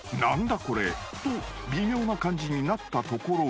これと微妙な感じになったところへ］